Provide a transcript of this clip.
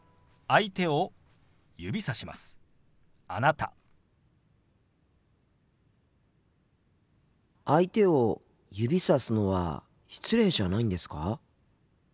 相手を指さすのは失礼じゃないんですか？